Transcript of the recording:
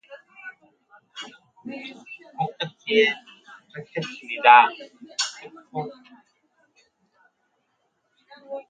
목적지에 도착했습니다.